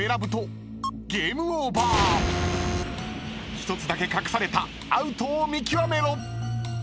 ［１つだけ隠されたアウトを見極めろ！］